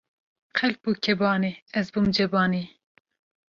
Xelk bû kebanî, ez bûm cebanî